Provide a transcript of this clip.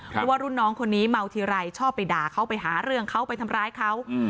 เพราะว่ารุ่นน้องคนนี้เมาทีไรชอบไปด่าเขาไปหาเรื่องเขาไปทำร้ายเขา